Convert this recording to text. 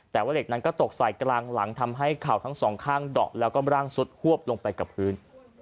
แต่ว่าเหล็กนั้นก็ตกใส่กลางหลังทำให้เข่าทั้งสองข้างดอกแล้วก็ร่างสุดฮวบลงไปกับพื้น